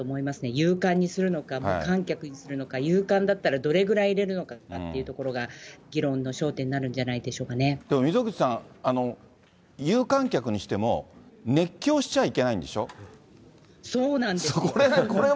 有観にするのか、無観客にするのか、有観だったらどれぐらい入れるのかとかっていうところが、議論の焦点になるんじゃないんです溝口さん、有観客にしても、そうなんですよ。